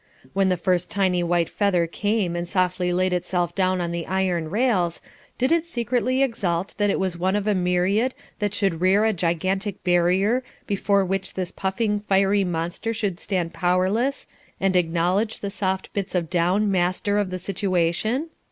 When the first tiny white feather came and softly laid itself down on the iron rails, did it secretly exult that it was one of a myriad that should rear a gigantic barrier before which this puffing fiery monster should stand powerless, and acknowledge the soft bits of down master of the situation?